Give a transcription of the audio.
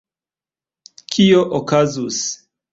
Kio okazus?